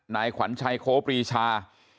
นายขวัญชัยโคปรีชา